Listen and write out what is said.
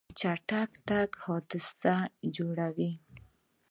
چټک تګ حادثه جوړوي.